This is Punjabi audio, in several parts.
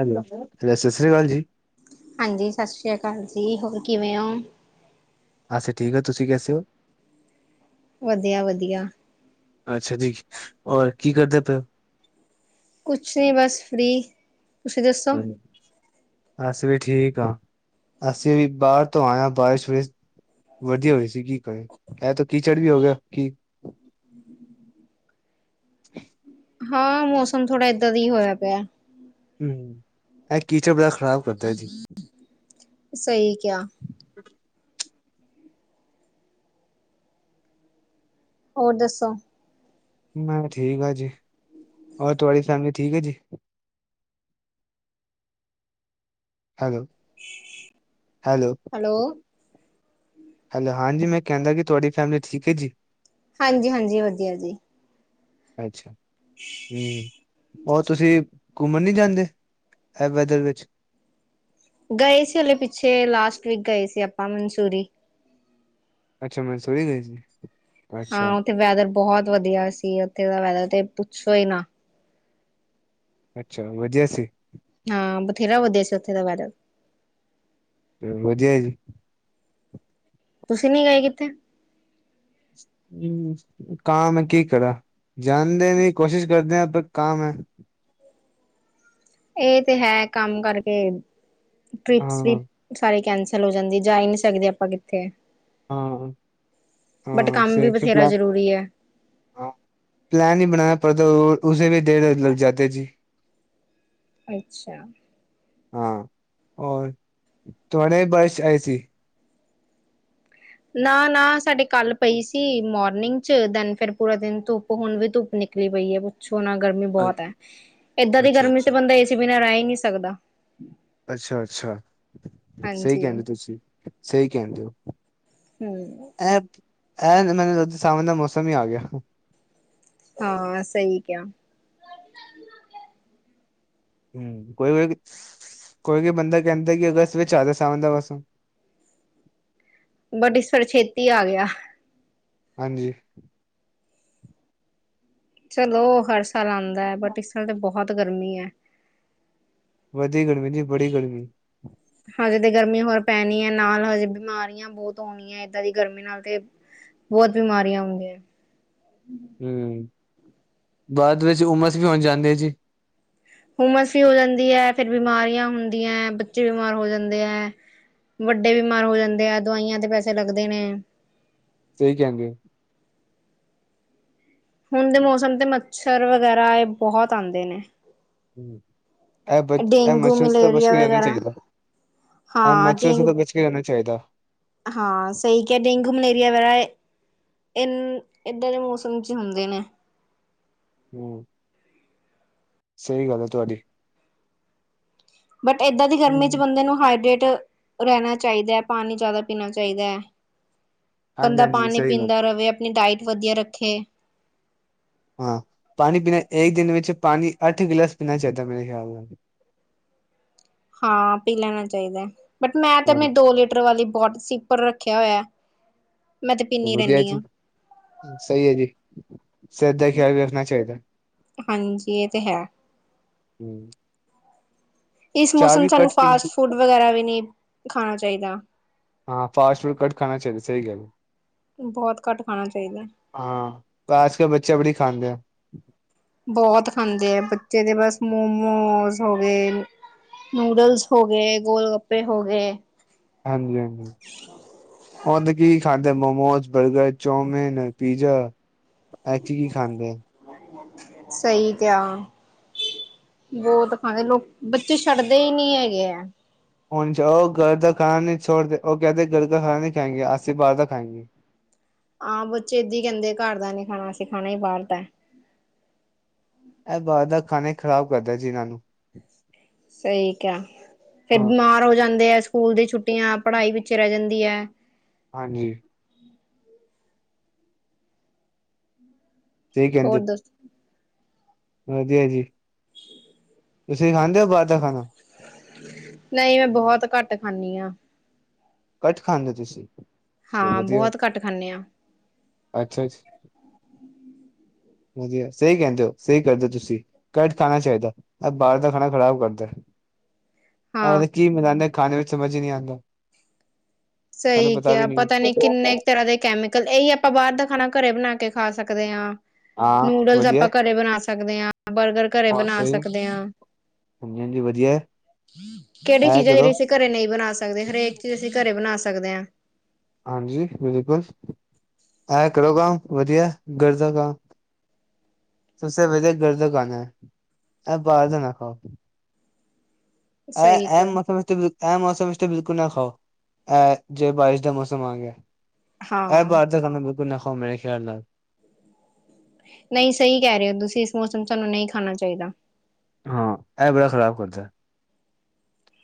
ਹੈਲੋ, ਸਤਿ ਸ਼੍ਰੀ ਅਕਾਲ ਜੀ। ਹਾਂਜੀ, ਸਤਿ ਸ਼੍ਰੀ ਅਕਾਲ ਜੀ ਹੋਰ ਕਿਵੇਂ ਹੋ? ਅੱਛਾ ਠੀਕ ਆ। ਤੁਸੀਂ ਕੈਸੇ ਹੋ? ਵਧੀਆ -ਵਧੀਆ। ਅੱਛਾ ਜੀ, ਔਰ ਕੀ ਕਰਦੇ ਪਓ? ਕੁਛ ਨਹੀਂ, ਬਸ ਫ੍ਰੀ। ਹਾਂ, ਅਸੀ ਵੀ ਠੀਕ ਹਾਂ, ਅਸੀਂ ਵੀ ਬਾਹਰ ਤੋਂ ਆਏ ਹਾਂ, ਬਾਰਿਸ਼ ਵਿਚ ਵਧੀਆ ਹੋਈ ਸੀ। ਕੀ ਕਰਹੇ ਇਹ ਤਾਂ ਕੀ ਚੜ੍ਹ ਵੀ ਹੋ ਗਿਆ ਕੀ। ਹਾਂ, ਮੌਸਮ ਥੋੜਾ ਏਦਾਂ ਦਾ ਹੀ ਹੋਇਆ ਪਿਆ। ਹਮ, ਇਹ ਕੀਚੇ ਬੜਾ ਖਰਾਬ ਸਹੀ ਕਿਆ। ਹੋਰ ਦੱਸੋ। ਮੈਂ, ਠੀਕ ਹਾਂ ਜੀ, ਹੋਰ ਤੁਹਾਡੀ ਫੈਮਿਲੀ ਠੀਕ ਆ ਜੀ? ਹੈਲੋ, ਹੈਲੋ, ਹੈਲੋ, ਹੈਲੋ, ਹਾਂਜੀ, ਮੈਂ ਕਹਿੰਦਾ ਕਿ, ਤੁਹਾਡੀ ਫੈਮਿਲੀ ਠੀਕ ਹੈ ਜੀ? ਹਾਂਜੀ- ਹਾਂਜੀ। ਵਧੀਆ ਜੀ। ਅੱਛਾ। ਹਮ ਔਰ, ਤੁਸੀਂ ਘੁੰਮਣ ਨੀ ਜਾਂਦੇ ਐ, ਵੈਦਰ ਵਿੱਚ, ਗਏ ਸੀ, ਹਲੇ ਪਿੱਛੇ ਲਾਸਟ ਵਿੱਚ ਗਏ ਸੀ, ਆਪਾਂ ਮਨਸੂਰੀ। ਅੱਛਾ, ਮੈਨਸੂਰੀ ਗਈ ਸੀ। ਹਾਂ, ਅੱਛਾ, ਉੱਥੇ ਵੈਦਰ ਬਹੁਤ ਵਧੀਆ ਸੀ, ਉੱਥੇ ਦਾ ਵੈਦਰ ਤੇ ਪੁੱਛੋ ਹੀ ਨਾ। ਅੱਛਾ, ਵਧੀਆ ਸੀ। ਹਾਂ, ਬਥੇਰਾ ਵਧੀਆ ਸੀ, ਉੱਥੇ ਦਾ ਵੈਦਰ, ਵਧੀਆ ਜੀ। ਤੁਸੀਂ, ਨੀ ਗਏ ਕਿਤੇ, ਹੂੰ, ਕਾਮ ਐ, ਕੀ ਕਰਾ ਜਾਂਦੇ ਨੀ ਕੋਸ਼ਿਸ਼ ਕਰਦੇ ਆ ਕਾਮ ਐ। ਇਹ ਤੇ ਹੈ, ਕੰਮ ਕਰਕੇ, ਟ੍ਰਿਪ ਵੀ ਹਾਂ, ਸਾਰੇ ਕੈਂਸਲ। ਹੋ ਜਾਂਦੀ ਆ ਜਾ ਹੀ ਨਹੀਂ ਸਕਦੇ, ਆਪਾਂ ਕਿੱਥੇ ਹਾਂ। ਬਟ ਹਾਂ ਕੰਮ ਵੀ ਬਥੇਰਾ ਜ਼ਰੂਰੀ ਐ। ਹਾਂ, ਪਲੈਨ ਹੀ ਬਣਾਇਆ ਉਸੀ ਵਿੱਚ ਦੇਰ ਲਗ ਜਾਦੇ ਜੀ। [inaudible] ਅੱਛਾ, ਹਾਂ, ਥੋੜੇ ਬਾਰਸ਼ ਆਈ ਸੀ। ਨਾ ਨਾ ਸਾਡੇ ਕੱਲ ਪਈ ਸੀ। ਮੋਰਨਿੰਗ ਚ ਦੈਨ, ਫਿਰ ਪੂਰਾ ਦਿਨ ਧੁੱਪ। ਹੁਣ ਵੀ ਧੁੱਪ, ਨਿਕਲੀ ਪਈ ਐ। ਪੁੱਛੋ ਨਾ ਗਰਮੀ ਅ ਬਹੁਤ ਐ, ਏਦਾਂ ਦੀ ਅੱਛਾ ਗਰਮੀ ਚ ਤੇ ਅੱਛਾ। ਬੰਦਾ ਏ ਸੀ। ਬਿਨਾਂ ਰਹਿ ਹੀ ਨੀ ਸਕਦਾ, ਅੱਛਾ, ਅੱਛਾ ਸਹੀ ਹਾਂਜੀ ਕਹਿੰਦੇ ਤੁਸੀਂ ਸਹੀ ਕਹਿੰਦੇ ਹੋ। ਹੂੰ। ਇਹ, ਇਹ ਮੈਨੂੰ ਲੱਗਦਾ ਸਾਵਣ ਦਾ ਮੌਸਮ ਹੀ ਆ ਗਿਆ। ਹਾਂ, ਸਹੀ ਕਿਹਾ। ਹੀ, ਕੋਈ ਕੋਈ ਕੋਈ ਕੋਈ ਬੰਦਾ ਕਹਿੰਦਾ। ਕਿ ਅਗਸਤ ਵਿੱਚ ਆ ਜੇ ਸਾਵਣ ਦਾ ਮੌਸਮ, ਬਟ ਇਸ ਵਾਰ ਛੇਤੀ ਆ ਗਿਆ, ਹਾਂਜੀ, ਚਲੋ ਹਰ ਸਾਲ ਆਂਦਾ, ਬਟ ਇਸ ਸਾਲ ਤੇ ਬਹੁਤ ਗਰਮੀ ਐ। ਵਧੀ ਗਰਮੀ ਜੀ। ਬੜੀ ਗਰਮੀ, ਹਜੇ ਤੇ ਗਰਮੀ ਹੋਰ ਪੈਣੀ ਐ, ਨਾਲ ਹਜੇ ਬਿਮਾਰੀਆਂ ਬਹੁਤ ਹੋਣੀਆਂ, ਏਦਾਂ ਦੀ ਗਰਮੀ ਨਾਲ ਤੇ। ਬਹੁਤ ਬਿਮਾਰੀਆਂ ਹੁੰਦੀਆਂ। ਹੂੰ, ਬਾਅਦ, ਵਿੱਚ ਹੋਮਸ ਵੀ ਹੋ ਜਾਂਦੀ ਆ, ਜੀ। ਹੋਮਸ ਵੀ ਹੋ ਜਾਂਦੀ ਐ, ਫੇਰ ਬਿਮਾਰੀਆਂ ਹੁੰਦੀਆਂ ਹੈ ਬੱਚੇ ਬਿਮਾਰ ਹੋ ਜਾਂਦੇ ਐ। ਵੱਡੇ ਬਿਮਾਰ ਹੋ ਜਾਂਦੇ ਆ। ਦਵਾਈਆਂ ਦੇ ਪੈਸੇ ਲੱਗਦੇ ਨੇ, ਸਹੀ ਕਹਿੰਦੇ ਓ। ਹੁਣ ਦੇ ਮੌਸਮ ਤੇ ਮੱਛਰ ਵਗੈਰਾ। ਇਹ ਬਹੁਤ ਆਉਂਦੇ ਨੇ, ਹੂੰ। ਇਹ ਬ ਇਹ ਡੇਂਗੂ, ਮੱਛਰ ਤੋਂ ਬਚ ਮਲੇਰੀਆ, ਕੇ ਰਹਿਣਾ ਵਗੈਰਾ। ਚਾਹੀਦਾ ਇਹ ਹਾਂ ਮੱਛਰ ਤੋਂ ਡੇਂਗੂ- ਬਚ ਰਹਿਣਾ ਚਾਹੀਦਾ- ਹਾਂ, ਸਹੀ ਕਿਹਾ ਡੇਗੂ ਮਲੇਰੀਆ ਬਰਾ ਇ ਏਦਾਂ ਦੇ ਮੌਸਮ 'ਚ ਹੁੰਦੇ ਨੇ- ਹੂੰ, ਸਹੀ ਗੱਲ ਐ ਤੁਹਾਡੀ ਬਟ ਏਦਾਂ ਦੀ ਗਰਮੀ 'ਚ ਬੰਦੇ ਨੂੰ ਹਾਈਡ੍ਰਟ ਰਹਿਣਾ ਚਾਹੀਦਾ। ਪਾਣੀ ਜ਼ਿਆਦਾ ਪੀਣਾ ਚਾਹੀਦਾ। ਹਾਂਜੀ ਬੰਦਾ ਹਾਂਜੀ ਪਾਣੀ ਸਹੀ ਗੱਲ ਪੀਂਦਾ ਰਵੇ। ਆਪਣੀ ਡਾਇਟ ਵਧੀਆ ਰੱਖੇ- ਹਾਂ, ਪਾਣੀ ਪੀਣਾ ਇਕ ਦਿਨ ਵਿਚ ਪਾਣੀ ਅੱਠ ਗਿਲਾਸ ਪੀਣਾ ਚਾਹੀਦਾ ਮੇਰੇ ਖਿਆਲ ਨਾਲ ਹਾਂ, ਪੀ ਲੈਣਾ ਚਾਹੀਦਾ ਬਟ ਮੈਂ ਤੇ ਆਪ ਹਾਂ ਦੋ ਲੀਟਰ ਵਾਲੀ ਬੋਟ ਸੀਪਰ ਰਖਿਆ ਹੋਇਆ। ਮੈਂ ਤੇ ਪੀਨੀ ਵਧੀਆ ਰਹਿੰਦੀ ਹਾਂ ਜੀ ਸਹੀ ਐ ਜੀ। ਸਿਹਤ ਦਾ ਖਿਆਲ ਵੀ ਰੱਖਣਾ ਚਾਹੀਦਾ। ਹਾਂਜੀ ਇਹ ਤੇ ਹੈ। ਇਸ ਚਾਹ ਮੌਸਮ ਵੀ ਵਿੱਚ ਸਾਨੂੰ ਘੱਟ ਪੀਣੀ ਫਾਸਟ ਫੂਡ ਵਗੈਰਾ ਵੀ ਨਹੀ ਖਾਣਾ ਚਾਹੀਦਾ ਹਾਂ, ਫਾਸਟ ਫੂਡ ਘੱਟ ਖਾਣਾ ਚਾਹੀਦਾ ਸਹੀ ਗੱਲ ਬਹੁਤ ਘੱਟ ਖਾਣਾ ਚਾਹੀਦਾ। ਹਾਂ, ਪਰ ਆਜ ਕਲ ਬੱਚੇ ਬੜੀ ਖਾਂਦੇ ਆ ਬਹੁਤ ਖਾਂਦੇ ਆ ਬੱਚੇ ਤੇ ਬਸ ਮੋਮੋਸ ਹੋ ਗਏ ਨੂਡਲਸ ਹੋ ਗਏ ਗੋਲਗੱਪੇ ਹੋ ਗਏ ਹਾਂਜੀ-ਹਾਂਜੀ, ਹੂੰ ਤੇ ਕੀ ਖਾਂਦੇ momos, burger, chow mein, pizza actually ਖਾਂਦੇ ਆ- ਸਹੀ ਕਿਆ- ਬਹੁਤ ਖਾਂਦੇ ਲੋਕ ਬੱਚੇ ਛੱਡਦੇ ਹੀ ਨਹੀ ਹੈਗੇ ਐ। ਹਣ ਉਹ ਘਰ ਦਾ ਖਾਣਾ ਨਹੀ ਛੋੜਦੇ ਉਹ ਕਹਿਦੇ ਘਰ ਦਾ ਖਾਣਾ ਨਹੀ ਖਾਏਂਗੇ ਅਸੀਂ ਬਾਹਰ ਦਾ ਖਾਏਗਾ ਹਾਂ, ਬੱਚੇ ਏਦਾਂ ਹੀ ਕਹਿਦੇ ਘਰ ਦਾ ਨੀ ਖਾਣਾ ਅਸੀਂ ਖਾਣਾ ਹੀ ਬਾਹਰ ਦਾ ਇਹ ਬਾਹਰ ਦਾ ਖਾਣੇ ਈ ਖਰਾਬ ਕਰਦਾ ਜੀ ਇਹਨਾਂ ਨੂੰ ਸਹੀ ਕਹਿੰਦੇ ਆ ਫੇਰ ਹਾਂ ਬਿਮਾਰ ਹੋ ਜਾਂਦੇ ਆ ਸਕੂਲ ਦੀ ਛੁੱਟੀਆਂ ਪੜ੍ਹਾਈ ਪਿੱਛੇ ਰਹਿ ਜਾਦੀ ਐ। ਹਾਂਜੀ- ਸਹੀ ਕਹਿੰਦੇ ਹੋਰ ਦੱਸ ਵਧੀਆ ਜੀ। ਤੁਸੀਂ ਖਾਂਦੇ ਹੋ ਬਾਹਰ ਦਾ ਖਾਣਾ ਨਹੀਂ, ਮੈਂ ਬਹੁਤ ਘੱਟ ਖਾਣੀ ਆ। ਘੱਟ ਖਾਂਦੇ ਤੁਸੀਂ- ਚਲੋ ਹਾਂ, ਵਧੀਆ ਬਹੁਤ ਘੱਟ ਖਾਂਦੇ ਆ। ਅੱਛਾ ਜੀ। ਵਧੀਆ ਸਹੀ ਕਹਿੰਦੇ ਓ ਸਹੀ ਕਹਿੰਦੇ ਓ ਤੁਸੀਂ, ਘੱਟ ਖਾਣਾ ਚਾਹੀਦਾ ਬਾਹਰ ਦਾ ਖਾਣਾ ਖਰਾਬ ਕਰਦਾ ਹਾਂ ਅਗਰ ਕੀ ਖਾਣੇ ਵਿਚ ਸਮਝ ਈ ਨੀ ਆਂਦਾ ਸਹੀ ਕਿਹਾ ਪਤਾ ਨੀ ਕਿੰਨੇ ਤਰ੍ਹਾਂ ਦੇ ਕੈਮੀ ਕਲ ਇਹੀ ਆਪਾਂ ਬਾਹਰ ਦਾ ਖਾਣਾ ਘਰੇ ਬਣਾ ਕੇ ਖਾ ਸਕਦੇ ਹਾਂ ਹਾਂ ਨੂਡਲਸ ਵਧੀਆ ਆਪਾਂ ਘਰੇ ਬਣਾ ਸਕਦੇ ਆ ਬਰਗਰ- ਘਰੇ ਹੋਰ ਬਣਾ ਸਹੀ ਸਕਦੇ ਆ ਹਾਂਜੀ ਹਾਂਜੀ ਵਧੀਆ ਕਿਹੜੀ ਹੈ। ਐ ਚੀਜ਼ਾਂ ਜਿਹੜੀ ਕਰੋ ਅ ਘਰੇ ਨਹੀ ਬਣਾ ਸਕਦੇ ਹਰੇਕ ਚੀਜ਼ ਅਸੀ ਘਰੇ ਬਣਾ ਸਕਦੇ ਆ। ਹਾਂਜੀ, ਬਿਲਕੁਲ ਕਰੋ ਕੰਮ ਵਧੀਆ ਗਰ ਦਾ ਕੰਮ [unintelligible] ਬਾਹਰ ਦਾ ਨਾ ਖਾਓ ਅ ਸਹੀ ਐ ਕਿਹਾ ਮਤਲਬ ਇਹ ਮੌਸਮ ਇਸ ਤੇ ਬਿਲਕੁਲ ਨਾ ਖਾਓ ਇਹ ਜੇ ਬਾਰਿਸ਼ ਦਾ ਮੌਸਮ ਆ ਗਿਆ ਐ ਹਾਂ ਬਾਹਰ ਦਾ ਤਾਂ ਬਿਲਕੁਲ ਨਾ ਖਾਓ ਮੇਰੇ ਖਿਆਲ ਨਾਲ ਨਹੀ ਸਹੀ ਕਹਿ ਰਹੇ ਹੋ, ਤੁਸੀਂ ਇਸ ਮੌਸਮ ਸਾਨੂੰ ਨਹੀ ਖਾਣਾ ਚਾਹੀਦਾ ਹਾਂ, ਇਹ ਬੜਾ ਖਰਾਬ ਕਰਦਾ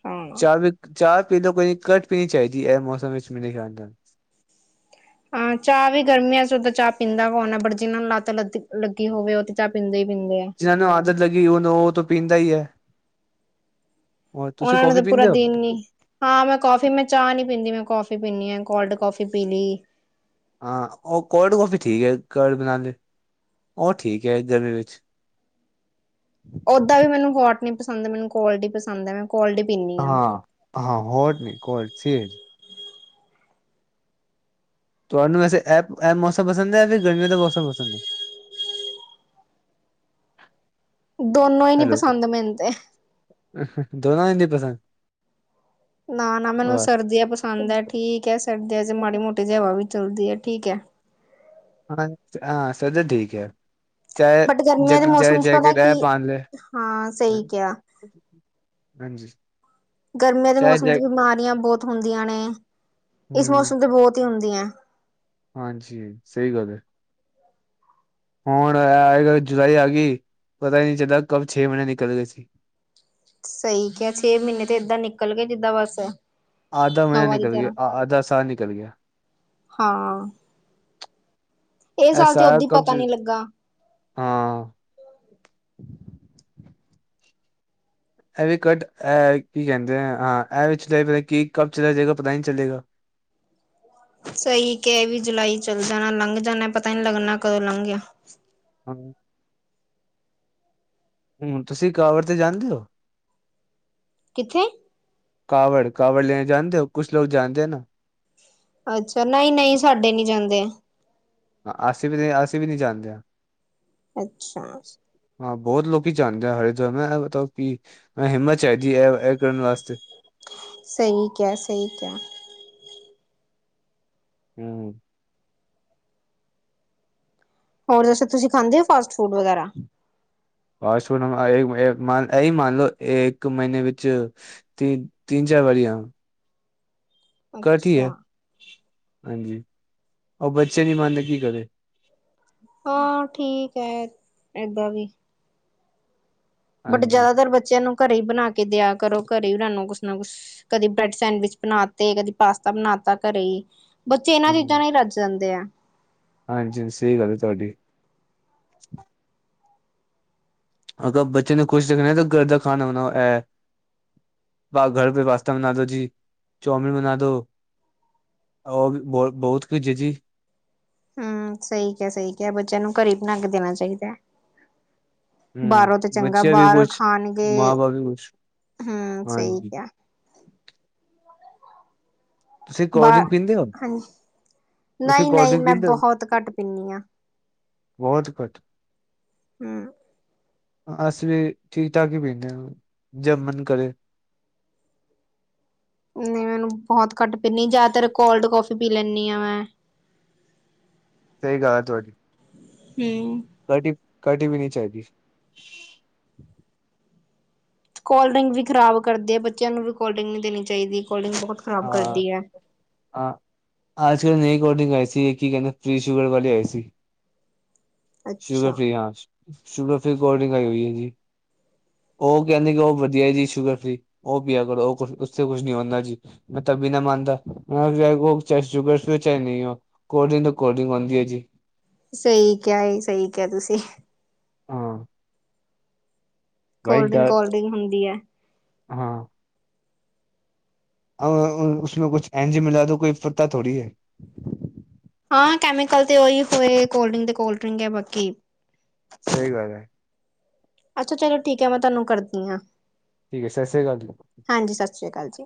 ਹਾਂ ਚਾਹ ਵੀ ਚਾਹ ਪੀ ਲਓ ਕੋਈ ਘੱਟ ਣੀ ਚਾਹੀਦੀ ਇਹ ਮੌਸਮ ਵਿੱਚ ਮੇਰੇ ਖਿਆਲ ਨਾਲ ਹਾਂ, ਚਾਹ ਵੀ ਗਰਮੀਆਂ ਚ ਉਦਾਂ ਚਾਹ ਪੀਂਦਾ ਕੌਣ ਆ ਬਟ ਜਿਹਨਾਂ ਨੂੰ ਲੱਤ ਲੱ ਲੱਗੀ ਹੋਵੇ ਉਹਦੀ ਚਾਹ ਪੀਂਦੇ ਹੀ ਪੀਂਦੇ ਆ। ਜਿਹਨ੍ਹਾਂ ਨੂੰ ਆਦਤ ਲੱਗੀ ਓ ਤੋਂ ਪੀਂਦਾ ਹੀ ਆ। ਹੋਰ ਤੁਸੀਂ ਉਹਨਾਂ ਨੂੰ ਕੌਫੀ ਤਾਂ ਪੂਰਾ ਪੀਂਦੇ ਹੋ? ਦਿਨ ਨੀ ਹਾਂ। ਮੈਂ ਕੌਫੀ ਮੈਂ ਚਾਹ ਨੀ ਪੀਂਦੀ। ਮੈਂ ਕੌਫੀ ਪੀਂਦੀ ਹਾਂ। ਕੋਲਡ ਕੌਫੀ ਪੀ ਲਈ ਹਾਂ, ਉਹ ਕੋਲਡ ਕਫੀ ਠੀਕ ਹੈ। ਕੋਲਡ ਬਣਾ ਲਈ ਉਹ ਠੀਕ ਐ ਗਰਮੀ ਵਿੱਚ। ਓਦਾਂ ਵੀ ਮੈਨੂੰ ਹੋਰਟ ਨੀ ਪਸੰਦ ਮੈਨੂੰ ਕੋਲਡ ਈ ਪਸੰਦ ਐ। ਮੈਂ ਕੋਲਡ ਈ ਪੀਣੀ। ਹਾਂ-ਹਾਂ, ਹੋਟ ਨੀ ਕੋਲਡ [unintelligible] ਤੁਹਾਨੂੰ ਵੈਸੇ ਇਹ ਇਹ ਮੌਸਮ ਪਸਦ ਐ? ਫਿਰ ਗਰਮੀ ਦਾ ਮੌਸਮ ਪਸੰਦ ਹੈ? [unintelligible] ਦੋਨੋ ਹੀ ਨੀ ਹੈਲੋ ਪਸੰਦ ਮੈਨੂੰ ਤੇ। ਦੋਨੋ ਹੀ ਨੀ ਪਸੰਦ ਨਾ-ਨਾ ਮੈਨੂੰ ਵਾਹ ਸਰਦੀਆਂ ਪਸੰਦ ਐ ਠੀਕ ਐ ਸਰਦੀਆਂ ਚ ਮਾੜੀ ਮੋਟੀ ਹਵਾ ਵੀ ਚੱਲਦੀ ਐ ਠੀਕ ਐ। ਹਾਂ-ਹਾਂ ਸਬ ਠੀਕ ਹੈ। ਚਾਹੇ ਬਟ ਗਰਮੀਆਂ ਦੇ ਜੈਕ ਚਾਹੇ ਮੌਸਮ ਚ ਪਤਾ ਜੈਕਟ ਕੀ ਹੈ ਪਾਨ ਲੈ ਹਾਂ, ਸਹੀ ਕਿਹਾ। ਹਾਂਜੀ ਗਰਮੀਆਂ ਦੇ ਚਾਹੇ ਮੌਸਮ ਚ ਜੈ ਬਿਮਾਰੀਆਂ ਬਹੁਤ ਹੁੰਦੀਆਂ ਨੇ, ਇਸ ਹਮ ਮੌਸਮ ਤੇ ਬਹੁਤ ਹੀ ਹੁੰਦੀਆਂ। ਹਾਂਜੀ ਸਹੀ ਗੱਲ ਹੈ। ਹੁਣ ਆਏ ਕੱਲ ਜੁਲਾਈ ਆ, ਗਈ ਪਤਾ ਹੀ ਨਹੀਂ ਚੱਲਦਾ ਕਬ ਛੇ ਮਹੀਨੇ ਨਿਕਲ ਗਏ ਸੀ। ਸਹੀ ਕਿਹਾ ਛੇ ਮਹੀਨੇ ਤੇ ਏਦਾਂ ਨਿਕਲ ਕੇ ਜਿੱਦਾਂ ਬਸ ਆਧਾ ਮਹੀਨ ਹਵਾ ਦੀ ਨਿਕਲ ਗਿਆ, ਤਰ੍ਹਾਂ ਆਧਾ ਸਾਲ ਨਿਕਲ ਗਿਆ। ਹਾਂ ਇਹ ਸਾਲ ਐਸਾ ਤੇ ਓਦੀ ਕਬਜ਼ ਪਤਾ ਨੀ ਲੱਗਾ ਹਾਂ। ਇਹ ਵੀ ਕੱਟ ਇਹ ਕੀ ਕਹਿੰਦੇ ਹਾਂ, ਇਹ ਵੀ ਚਲੇ ਪਤਾ ਕੀ ਕਬ ਚਲਾ ਜਾਏਗਾ, ਪਤਾ ਨਹੀਂ ਚਲੇਗਾ। ਸਹੀ ਕਿਹਾ ਵੀ ਜੁਲਾਈ ਚੱਲ ਜਾਣਾ ਲੰਘ ਜਾਣਾ ਪਤਾ ਨੀ ਲੱਗਣਾ ਕਦੋਂ ਲੰਘ ਗਿਆ। ਹਾਂ। ਹੂੰ, ਤੁਸੀਂ ਕਵਰ ਤੇ ਜਾਂਦੇ ਹੋ? ਕਿੱਥੇ? ਕਾਵਰ-ਕਾਵਰ ਲੈਣੇ ਜਾਣਦੇ ਹੋ? ਕੁਛ ਲੋਕ ਜਾਣਦੇ ਨਾ? ਅੱਛਾ ਨਹੀਂ-ਨਹੀਂ ਸਾਡੇ ਨੀ ਜਾਂਦੇ। ਅਸੀਂ ਵੀ, ਅਸੀਂ ਵੀ, ਨਹੀਂ ਜਾਣਦੇ ਹਾਂ। ਅੱਛਾ। ਹਾਂ, ਬਹੁਤ ਲੋਕੀ ਜਾਦੇ ਆ, ਹਰੇ ਦੁਆ ਮੈਂ ਮਤਲਬ ਕਿ ਮੈਂ ਹਿੰਮਤ ਚਾਹੀਦੀ ਹੈ, ਇਹ-ਇਹ ਕਰਨ ਵਾਸਤੇ। ਸਹੀ ਕਿਆ-ਸਹੀ ਕਿਆ। ਹੂੰ ਹੋਰ ਜਸ ਤੁਸੀਂ ਖਾਂਦੇ ਹੋ, ਫਾਸਟ ਫੂਡ ਵਗੈਰਾ? ਬ ਸੁਣ ਇਹੀ ਮੰਨ ਲਓ, ਇੱਕ ਮਹੀਨੇ ਵਿੱਚ। ਤ ਤਿੰਨ ਚਾਰ ਵਾਰੀਆਂ। ਕਠ ਹੀ ਹੈ, ਅੱਛਾ ਹਾਂਜੀ ਉਹ ਬੱਚੇ ਨੀ ਮੰਨਦੇ ਕੀ ਕਰਦੇ। ਹਾਂ ਠੀਕ ਹੈ, ਏਦਾਂ ਵੀ। ਬਟ ਹਾਂਜੀ ਜ਼ਿਆਦਾਤਰ ਬੱਚਿਆਂ ਨੂੰ ਘਰੇ ਹੀ ਬਣਾ ਕੇ ਦਿਆ ਕਰੋ, ਘਰੇ ਹੀ ਬਣਾ ਕੁਛ ਨਾ ਕੁਛ। ਕਦੇ ਬ੍ਰੈਡ ਸੈਂਡਵਿਚ ਬਣਾਤੇ ਕਦੀ, ਪਾਸਤਾ ਬਣਾ ਤਾ ਘਰੇ ਹੀ। ਬੱਚੇ ਇਹਨਾਂ ਚੀਜ਼ਾਂ ਨਾਲ ਹੀ ਰੱਜ ਦਿੰਦੇ ਆ। ਹਾਂਜੀ-ਹਾਂਜੀ ਸਹੀ ਗੱਲ ਹੈ, ਤੁਹਾਡੀ। ਅਗਰ ਬੱਚੇ ਨੂੰ ਖੁਸ਼ ਦੇਖਣਾ, ਤਾਂ ਘਰ ਦਾ ਖਾਣਾ ਬਣਾ ਇਹ ਬਾ ਘਰ ਪੇ ਪਾਸਤਾ ਬਣਾ ਦੋ, ਜੀ ਚਾਮਨ ਬਣਾ ਦੋ। ਹੋਰ ਬਹੁਤ-ਬਹੁਤ ਕੁਝ ਜੀ। ਹੂੰ ਸਹੀ ਕਿਹਾ -ਸਹੀ ਕਿਹਾ। ਬੱਚਿਆਂ ਨੂੰ ਘਰੇ ਹੀਂ ਬਣਾ ਕੇ, ਦੇਣਾ ਚਾਹੀਦਾ ਹੈ। ਹਮ ਬਾਹਰੋਂ ਤੌ ਚੰਗਾ ਬੱਚਿਆਂ ਵੀ ਬਾਹਰੋਂ ਕੁਛ ਮਾਂ ਖਾਣਗੇ। ਬਾਪ ਵੀ ਕੁਛ ਹੂੰ ਸਹੀ ਹਾਂਜੀ ਕਿਹਾ। ਤੁਸੀਂ ਕੋਲਡ ਬਾਹਰ ਡ੍ਰਿੰਕ ਪੀਂਦੇ ਹੋ? ਹਾਂਜੀ ਤੁਸੀਂ ਨਹੀਂ ਕੋਲਡ ਨਹੀਂ ਡ੍ਰਿੰਕ ਮੈਂ ਪੀਂਦੇ ਹੋ? ਬਹੁਤ ਘੱਟ ਪੀਨੀ ਆ ਬਹੁਤ ਘੱਟ। ਹੂੰ [inaudible] ਅਸੀ ਵੀ ਠੀਕ ਠਾਕ ਹੀ ਪੀਂਦੇ ਹਾ ਜਬ ਮਨ ਕਰੇ। ਨਹੀ ਮੈਨੂੰ ਬਹੁਤ ਘੱਟ ਪੀਨੀ ਜਿਆਦਾਤਰ ਕੋਲਡ ਕੋੌਫੀ ਪੀ ਲੈਨੀ ਹਾ ਮੈਂ। ਸਹੀ ਗਾ ਹੈ ਤੁਹਾਡ- ਹਮ ਕਡੀ, ਕਡੀ ਵੀ ਨਹੀਂ ਚਾਹੀਦੀ। ਕੋਲਡਰਿੰਗ ਵੀ ਖਰਾਬ ਕਰਦੇ ਆ ਬੱਚਿਆਂ ਨੂੰ ਵੀ ਕੋਲਡਰਿੰਗ ਨੀ ਦੇਣੀ ਚਾਹੀਦੀ ਕੋਲਡਰਿੰਗ ਬੋਹਤ ਹਾਂ। ਹਾਂ ਅੱਜ ਕਲ ਨਈ ਕੋਲਡ ਡਰਿੰਕ ਆਈ ਸੀ, ਕੀ ਕਹਿੰਦੇ, ਫ੍ਰੀ ਸ਼ੂਗਰ ਵਾਲੇ ਆਈ ਸੀ। ਸ਼ੂਗਰ ਅੱਛਾ। ਫ੍ਰੀ ਹਾਂ ਸ਼ੂਗਰ ਫ੍ਰੀ ਕੋਲਡ ਡਰਿੰਕ ਆਈ ਹੋਈ ਹੈ ਜੀ। ਉਹ ਕਹਿੰਦੇ ਕਿ ਉਹ ਵਧੀਆ ਜੀ ਸ਼ੂਗਰ ਫ੍ਰੀ, ਉਹ ਪੀਆ ਕਰੋ ਉਹ ਉਸਸੇ ਕੁਛ ਨੀ ਹੁਨਦਾ ਜੀ। ਮੈਂ ਤਭੀ ਨਾ ਮਾਨਦਾ ਉਹ ਚਾਹੇ ਸ਼ੂਗਰ ਸੀ ਹੋ ਚਾਹੇ ਨਈ ਹੋ। ਕੋਲਡ ਡਿੰਕ, ਤੋਂ ਕੋਲਡਰਿੰਕ ਹੋਂਦੀ ਹੈ ਜੀ। ਸਹੀ ਕਿਹਾ ਐ, ਸਹੀ ਕਿਹਾ ਤੁਸੀਂ। ਹਾਂ। ਭਾਈ ਕੋਲਡ ਡਿੰਕ, ਡਰ ਕੋਲਡ ਡਰਿੰਕ, ਹੁੰਦੀ ਹੈ। ਹਾਂ। ਉਸੇ ਕੁਛ ਐਂਝ ਮਿਲਾ, ਤੇ ਕੋਈ ਪਤਾ ਥੋੜੀ ਆ। ਹਾਂ ਕੈਮੀਕਲ ਤੇ ਉਹੀ ਹੋਏ ਕੋਲਡ ਡਰਿੰਕ ਤੇ ਕੋਲਡ ਡਰਿੰਕ ਹੈ ਬਾਕੀ। ਸਹੀ ਗੱਲ ਐ। ਅੱਛਾ ਚਲੋ ਠੀਕ ਹੈ, ਮੈਂ ਤੁਹਾਨੂੰ ਕਰਦੀ ਹਾਂ। ਠੀਕ ਹੈ, ਸਤਿ ਸ੍ਰੀ ਅਕਾਲ ਜੀ। ਹਾਂਜੀ ਸਸ ਸ੍ਰੀ ਕਾਲ ਜੀ।